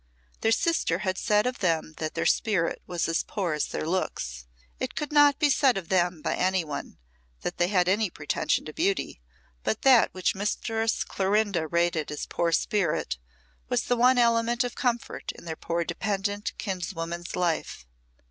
Their sister had said of them that their spirit was as poor as their looks. It could not be said of them by any one that they had any pretension to beauty, but that which Mistress Clorinda rated at as poor spirit was the one element of comfort in their poor dependent kinswoman's life.